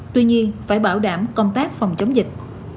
tuy nhiên phải bảo đảm công tác phòng chống dịch